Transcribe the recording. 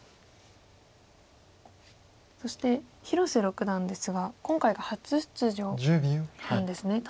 そして広瀬六段ですが今回が初出場なんですね。